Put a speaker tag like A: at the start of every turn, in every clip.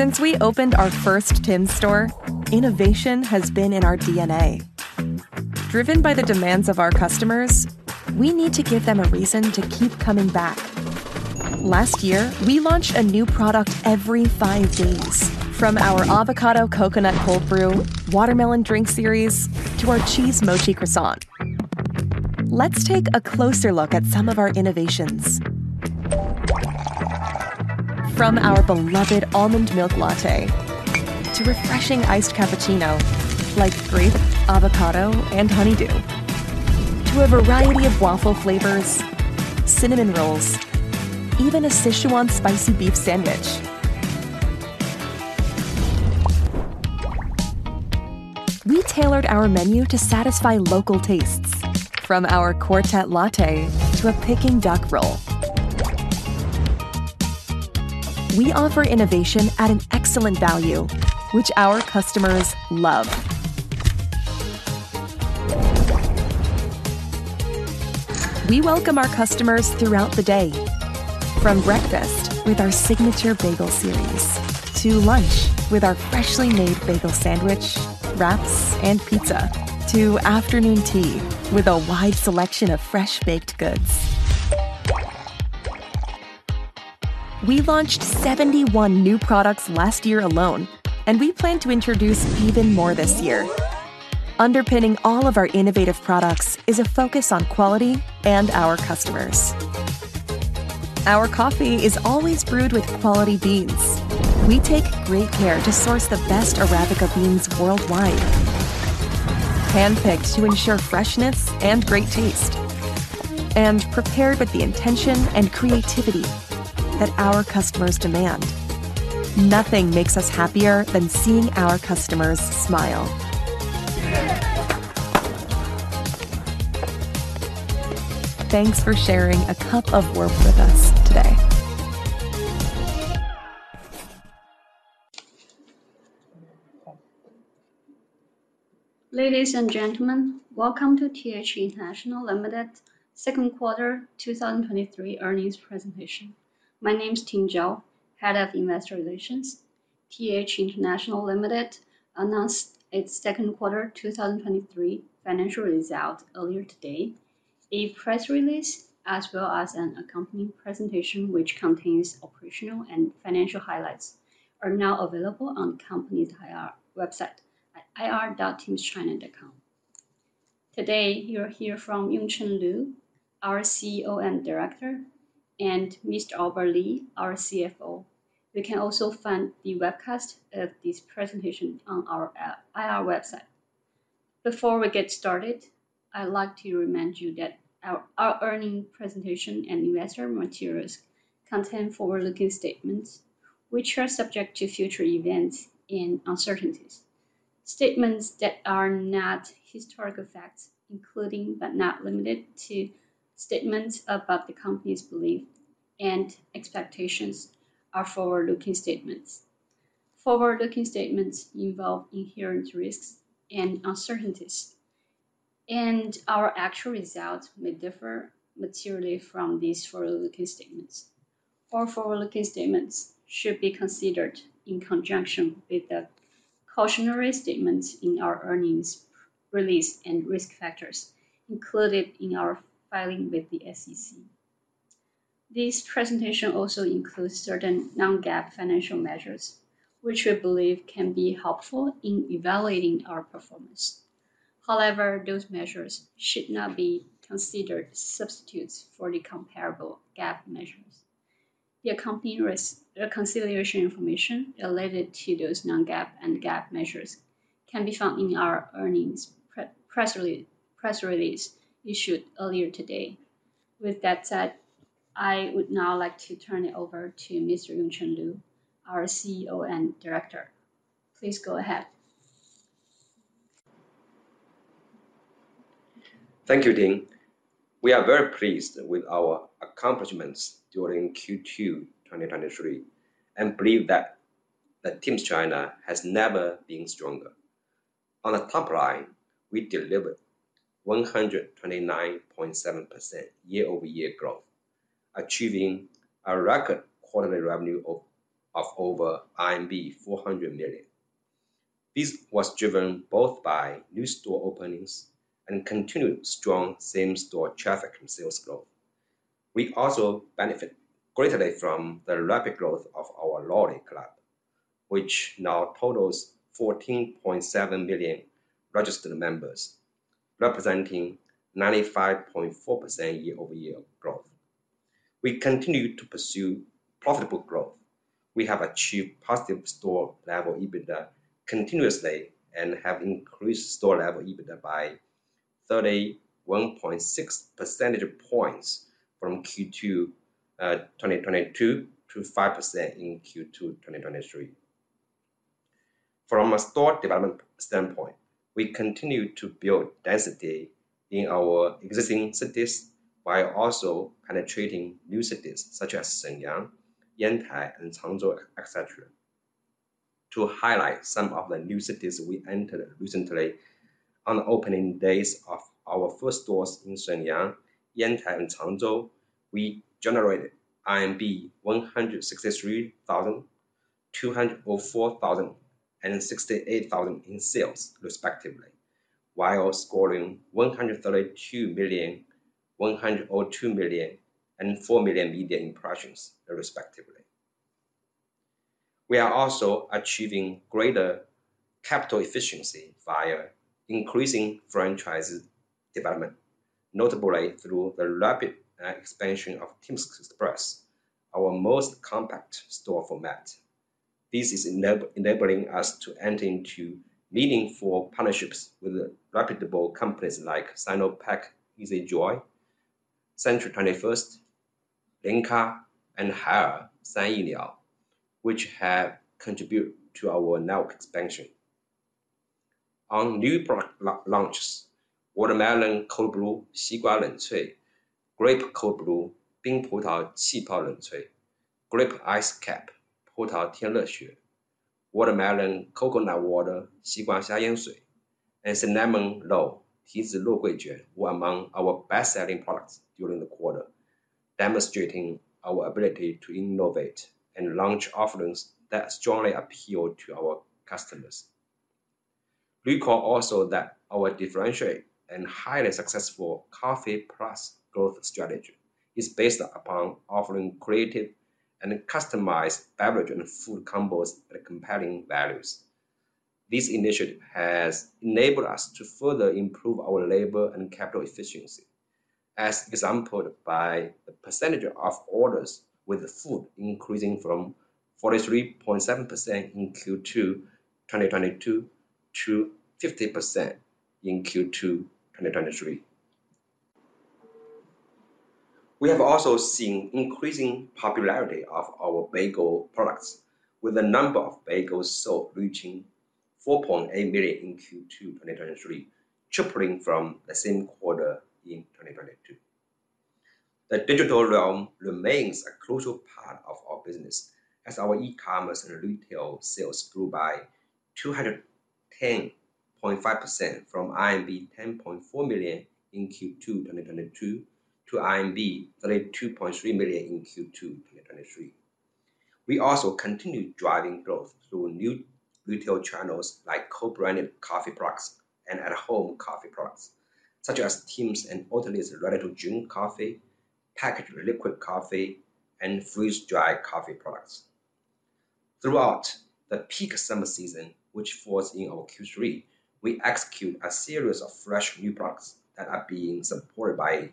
A: Since we opened our first Tim's store, innovation has been in our DNA. Driven by the demands of our customers, we need to give them a reason to keep coming back. Last year, we launched a new product every five days, from our avocado coconut cold brew, watermelon drink series, to our cheese mochi croissant. Let's take a closer look at some of our innovations. From our beloved almond milk latte, to refreshing iced cappuccino, like grape, avocado, and honeydew, to a variety of waffle flavors, cinnamon rolls, even a Sichuan spicy beef sandwich. We tailored our menu to satisfy local tastes, from our quartet latte to a Peking duck roll. We offer innovation at an excellent value, which our customers love. We welcome our customers throughout the day, from breakfast with our signature bagel series, to lunch with our freshly made bagel sandwich, wraps, and pizza, to afternoon tea with a wide selection of fresh baked goods. We launched 71 new products last year alone, and we plan to introduce even more this year. Underpinning all of our innovative products is a focus on quality and our customers. Our coffee is always brewed with quality beans. We take great care to source the best Arabica beans worldwide, handpicked to ensure freshness and great taste, and prepared with the intention and creativity that our customers demand. Nothing makes us happier than seeing our customers smile. Thanks for sharing a cup of work with us today.
B: Ladies and gentlemen, welcome to TH International Limited second quarter 2023 earnings presentation. My name is Ting Zhou, Head of Investor Relations. TH International Limited announced its second quarter 2023 financial results earlier today. A press release, as well as an accompanying presentation, which contains operational and financial highlights, are now available on the company's IR website at ir.timschina.com. Today, you'll hear from Yongchen Lu, our CEO and director, and Mr. Albert Li, our CFO. You can also find the webcast of this presentation on our IR website. Before we get started, I'd like to remind you that our, our earnings presentation and investor materials contain forward-looking statements, which are subject to future events and uncertainties. Statements that are not historical facts, including but not limited to statements about the company's beliefs and expectations, are forward-looking statements. Forward-looking statements involve inherent risks and uncertainties, and our actual results may differ materially from these forward-looking statements. All forward-looking statements should be considered in conjunction with the cautionary statements in our earnings press release issued earlier today. With that said, I would now like to turn it over to Mr. Yongchen Lu, our CEO and Director. Please go ahead.
C: Thank you, Ting. We are very pleased with our accomplishments during Q2 2023, and believe that Tims China has never been stronger. On a top line, we delivered 129.7% year-over-year growth, achieving a record quarterly revenue of over RMB 400 million. This was driven both by new store openings and continued strong same-store traffic and sales growth. We also benefit greatly from the rapid growth of our loyalty club, which now totals 14.7 million registered members, representing 95.4% year-over-year growth. We continue to pursue profitable growth. We have achieved positive store-level EBITDA continuously, and have increased store-level EBITDA by 31.6 percentage points from Q2 2022 to 5% in Q2 2023. From a store development standpoint, we continue to build density in our existing cities, while also penetrating new cities such as Shenyang, Yantai, and Changzhou, et cetera, to highlight some of the new cities we entered recently. On the opening days of our first stores in Shenyang, Yantai, and Changzhou, we generated 163,000, 204,000, and 68,000 in sales, respectively, while scoring 132 million, 102 million, and 4 million media impressions, respectively. We are also achieving greater capital efficiency via increasing franchise development, notably through the rapid expansion of Tims Express, our most compact store format. This is enabling us to enter into meaningful partnerships with reputable companies like Sinopec Easy Joy, Century 21, Linka, and Haier Sanyiniao, which have contributed to our network expansion. On new product launches, Watermelon Cold Brew, 葡萄冷 萃, Grape Cold Brew, 冰葡萄气泡冷 萃, Grape Iced Capp, 葡萄天乐 雪, Watermelon Coconut Water, 西瓜椰椰水, and Cinnamon Roll, 提子肉桂 卷, were among our best-selling products during the quarter, demonstrating our ability to innovate and launch offerings that strongly appeal to our customers. Recall also that our differentiated and highly successful Coffee Plus growth strategy is based upon offering creative and customized beverage and food combos at compelling values. This initiative has enabled us to further improve our labor and capital efficiency, as exemplified by the percentage of orders with food increasing from 43.7% in Q2 2022 to 50% in Q2 2023. We have also seen increasing popularity of our bagel products, with the number of bagels sold reaching 4.8 million in Q2 2023, tripling from the same quarter in 2022. The digital realm remains a crucial part of our business, as our e-commerce and retail sales grew by 210.5% from 10.4 million in Q2 2022 to 32.3 million in Q2 2023. We also continued driving growth through new retail channels like co-branded coffee products and at-home coffee products, such as Tim's and Oatly Ready to Drink Coffee, packaged liquid coffee, and freeze-dried coffee products. Throughout the peak summer season, which falls in our Q3, we execute a series of fresh new products that are being supported by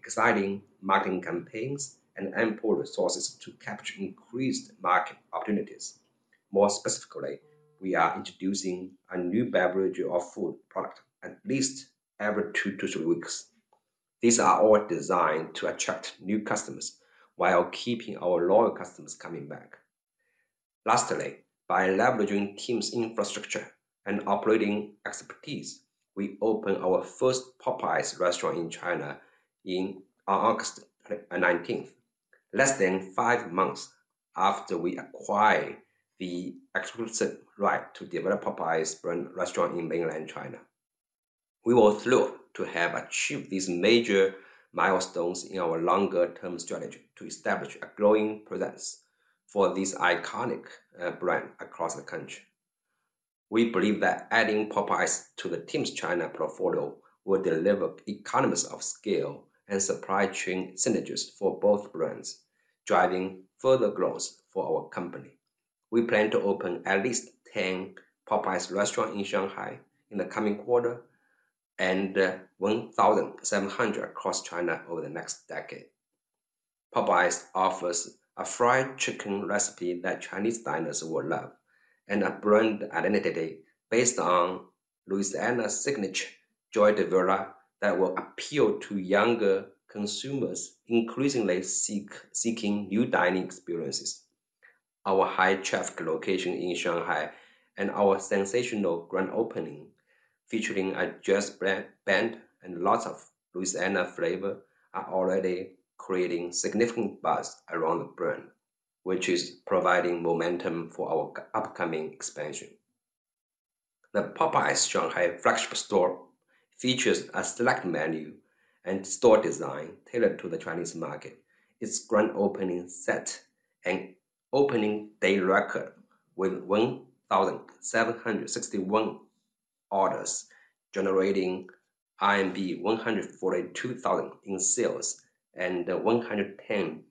C: exciting marketing campaigns and ample resources to capture increased market opportunities. More specifically, we are introducing a new beverage or food product at least every two to three weeks. These are all designed to attract new customers while keeping our loyal customers coming back. Lastly, by leveraging Tim's infrastructure and operating expertise, we opened our first Popeyes restaurant in China on August nineteenth, less than five months after we acquired the exclusive right to develop Popeyes brand restaurant in mainland China. We were thrilled to have achieved these major milestones in our longer-term strategy to establish a growing presence for this iconic brand across the country. We believe that adding Popeyes to the Tim's China portfolio will deliver economies of scale and supply chain synergies for both brands, driving further growth for our company. We plan to open at least 10 Popeyes restaurants in Shanghai in the coming quarter and 1,700 across China over the next decade. Popeyes offers a fried chicken recipe that Chinese diners will love and a brand identity based on Louisiana's signature joie de vivre that will appeal to younger consumers increasingly seeking new dining experiences. Our high-traffic location in Shanghai and our sensational grand opening, featuring a jazz band and lots of Louisiana flavor, are already creating significant buzz around the brand, which is providing momentum for our upcoming expansion. The Popeyes Shanghai flagship store features a select menu and store design tailored to the Chinese market. Its grand opening set an opening day record with 1,761 orders, generating RMB 142,000 in sales and 110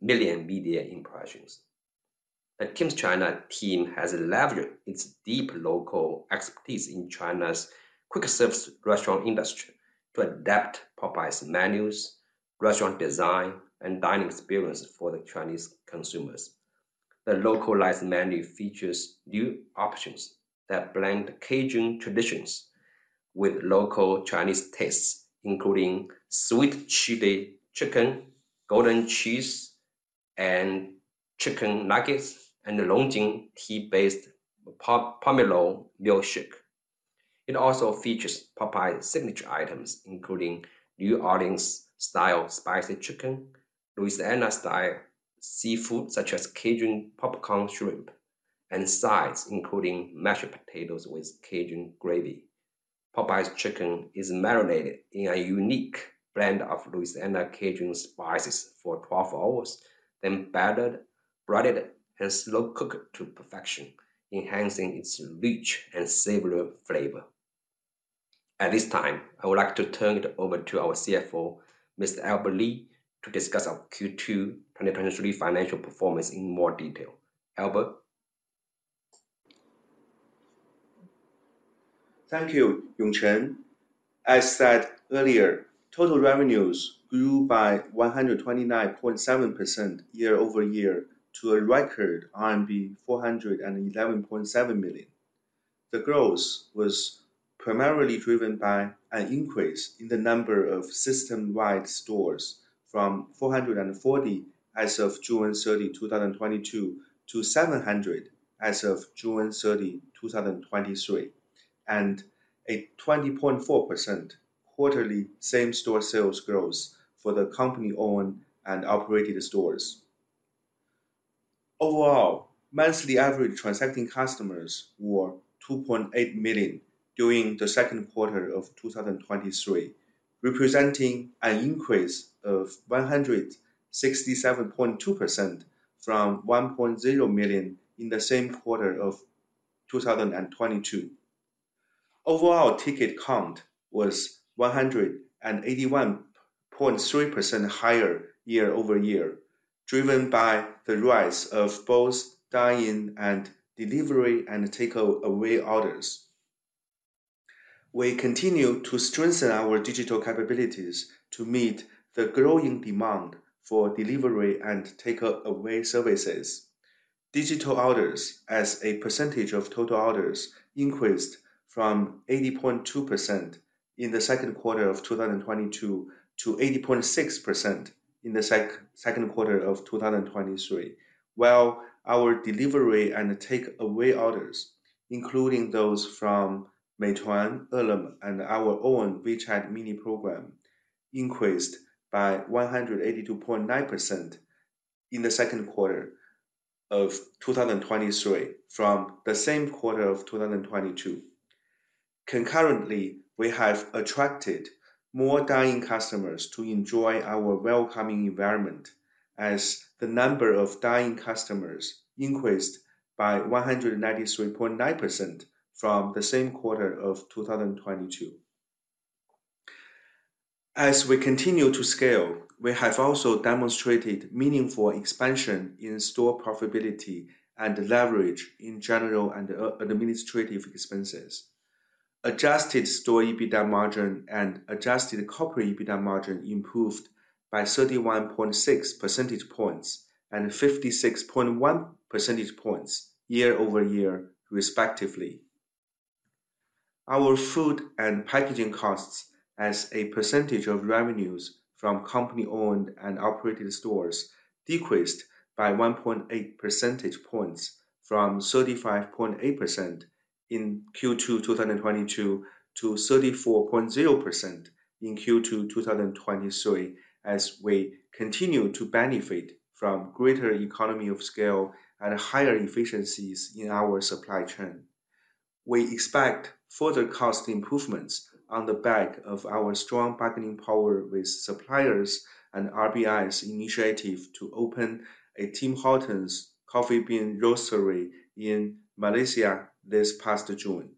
C: million media impressions. The Tim's China team has leveraged its deep local expertise in China's quick-service restaurant industry to adapt Popeyes menus, restaurant design, and dining experience for the Chinese consumers. The localized menu features new options that blend Cajun traditions with local Chinese tastes, including sweet chili chicken, golden cheese, and chicken nuggets, and Longjing tea-based pomelo milkshake. It also features Popeyes signature items, including New Orleans-style spicy chicken, Louisiana-style seafood, such as Cajun popcorn shrimp, and sides, including mashed potatoes with Cajun gravy. Popeyes chicken is marinated in a unique blend of Louisiana Cajun spices for 12 hours, then battered, breaded, and slow-cooked to perfection, enhancing its rich and savory flavor. At this time, I would like to turn it over to our CFO, Mr. Albert Li, to discuss our Q2 2023 financial performance in more detail. Albert?
D: Thank you, Yongchen. As said earlier, total revenues grew by 129.7% year-over-year to a record RMB 411.7 million. The growth was primarily driven by an increase in the number of system-wide stores from 440 as of June thirty, 2022, to 700 as of June thirty, 2023, and a 20.4% quarterly same-store sales growth for the company-owned and operated stores. Overall, monthly average transacting customers were 2.8 million during the second quarter of 2023, representing an increase of 167.2% from 1.0 million in the same quarter of 2022. Overall, ticket count was 181.3% higher year-over-year, driven by the rise of both dine-in and delivery and take-away orders. We continue to strengthen our digital capabilities to meet the growing demand for delivery and take-away services. Digital orders, as a percentage of total orders, increased from 80.2% in the second quarter of 2022 to 80.6% in the second quarter of 2023. While our delivery and take-away orders, including those from Meituan, Eleme, and our own WeChat mini program, increased by 182.9% in the second quarter of 2023 from the same quarter of 2022. Concurrently, we have attracted more dine-in customers to enjoy our welcoming environment, as the number of dine-in customers increased by 193.9% from the same quarter of 2022. As we continue to scale, we have also demonstrated meaningful expansion in store profitability and leverage in general and administrative expenses. Adjusted store EBITDA margin and adjusted corporate EBITDA margin improved by 31.6 percentage points and 56.1 percentage points year-over-year, respectively. Our food and packaging costs as a percentage of revenues from company-owned and operated stores decreased by 1.8 percentage points from 35.8% in Q2 2022 to 34.0% in Q2 2023, as we continue to benefit from greater economy of scale and higher efficiencies in our supply chain. We expect further cost improvements on the back of our strong bargaining power with suppliers and RBI's initiative to open a Tim Hortons coffee bean roastery in Malaysia this past June.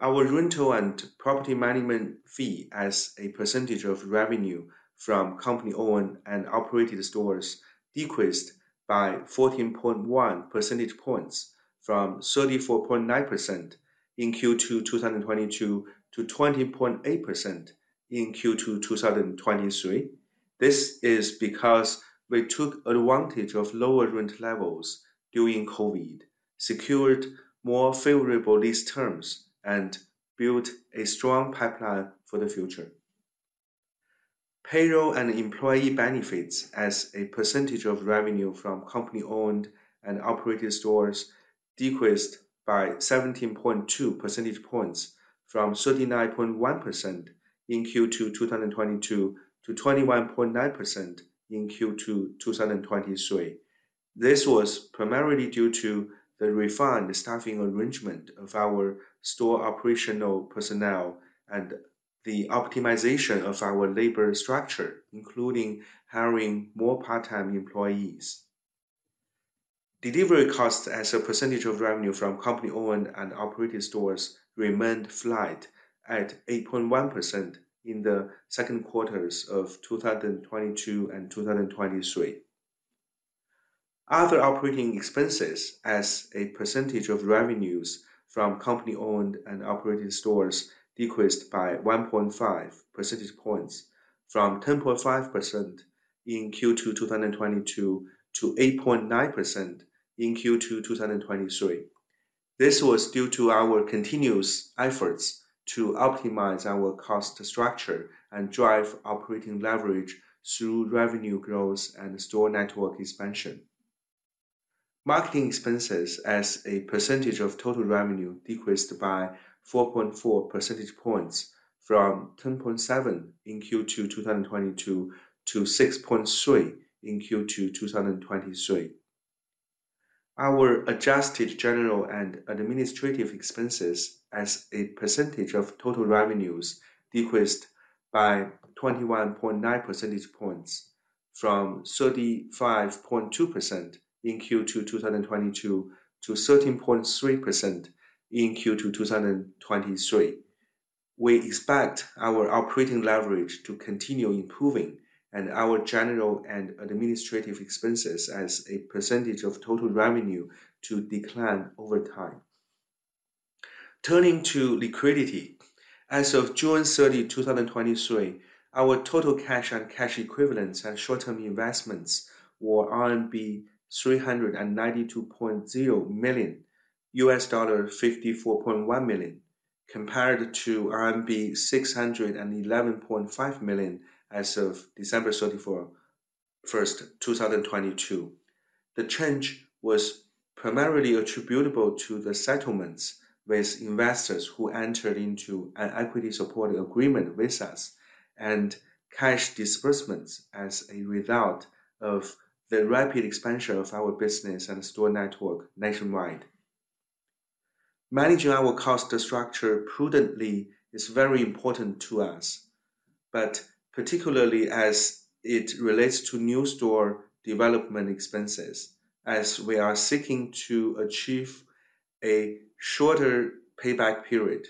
D: Our rental and property management fee as a percentage of revenue from company-owned and operated stores decreased by 14.1 percentage points from 34.9% in Q2 2022 to 20.8% in Q2 2023. This is because we took advantage of lower rent levels during COVID, secured more favorable lease terms, and built a strong pipeline for the future. Payroll and employee benefits as a percentage of revenue from company-owned and operated stores decreased by 17.2 percentage points from 39.1% in Q2 2022 to 21.9% in Q2 2023. This was primarily due to the refined staffing arrangement of our store operational personnel and the optimization of our labor structure, including hiring more part-time employees. Delivery costs as a percentage of revenue from company-owned and operated stores remained flat at 8.1% in the second quarters of 2022 and 2023. Other operating expenses as a percentage of revenues from company-owned and operated stores decreased by 1.5 percentage points from 10.5% in Q2 2022 to 8.9% in Q2 2023. This was due to our continuous efforts to optimize our cost structure and drive operating leverage through revenue growth and store network expansion. Marketing expenses as a percentage of total revenue decreased by 4.4 percentage points, from 10.7% in Q2 2022 to 6.3% in Q2 2023. Our adjusted general and administrative expenses as a percentage of total revenues decreased by 21.9 percentage points, from 35.2% in Q2 2022 to 13.3% in Q2 2023. We expect our operating leverage to continue improving and our general and administrative expenses as a percentage of total revenue to decline over time. Turning to liquidity. As of June 30, 2023, our total cash and cash equivalents and short-term investments were RMB 392.0 million, $54.1 million, compared to RMB 611.5 million as of December 31, 2022. The change was primarily attributable to the settlements with investors who entered into an equity support agreement with us and cash disbursements as a result of the rapid expansion of our business and store network nationwide. Managing our cost structure prudently is very important to us, but particularly as it relates to new store development expenses, as we are seeking to achieve a shorter payback period.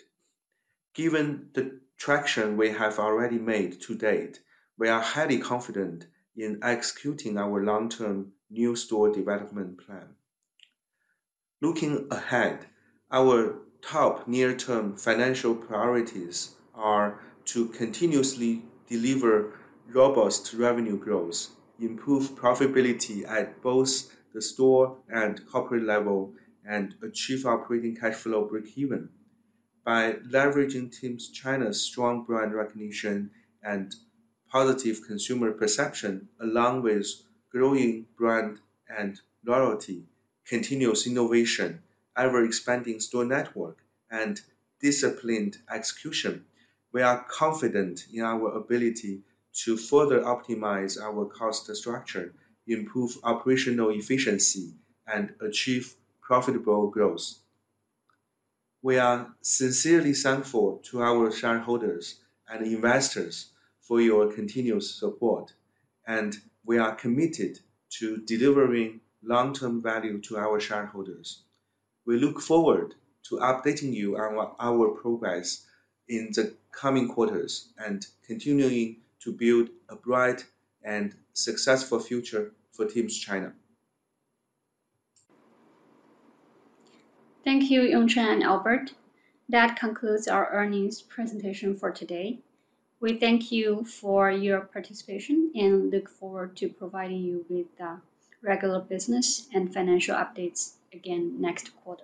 D: Given the traction we have already made to date, we are highly confident in executing our long-term new store development plan. Looking ahead, our top near-term financial priorities are to continuously deliver robust revenue growth, improve profitability at both the store and corporate level, and achieve operating cash flow breakeven. By leveraging Tim's China's strong brand recognition and positive consumer perception, along with growing brand and loyalty, continuous innovation, ever-expanding store network, and disciplined execution, we are confident in our ability to further optimize our cost structure, improve operational efficiency, and achieve profitable growth. We are sincerely thankful to our shareholders and investors for your continuous support, and we are committed to delivering long-term value to our shareholders. We look forward to updating you on our progress in the coming quarters and continuing to build a bright and successful future for Tim's China.
B: Thank you, Yongchen and Albert. That concludes our earnings presentation for today. We thank you for your participation and look forward to providing you with regular business and financial updates again next quarter.